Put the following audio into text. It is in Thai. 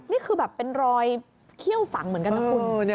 นี่คือแบบเป็นรอยเขี้ยวฝังเหมือนกันนะคุณ